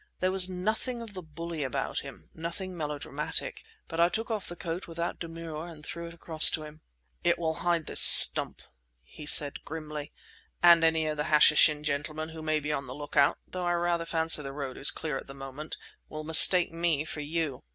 There was nothing of the bully about him, nothing melodramatic; but I took off the coat without demur and threw it across to him. "It will hide this stump," he said grimly; "and any of the Hashishin gentlemen who may be on the look out—though I rather fancy the road is clear at the moment—will mistake me for you.